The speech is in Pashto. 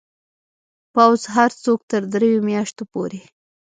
پوځ هر څوک تر دریو میاشتو پورې